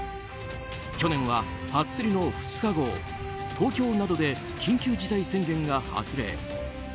去年は初競りの２日後東京などで緊急事態宣言が発令。